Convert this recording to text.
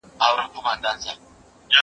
زه به سبا کتابتون ته ځم وم،